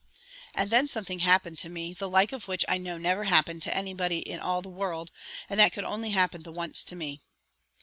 And then something happened to me the like of which I know never happened to anybody in all the world, and that could happen only the once to me.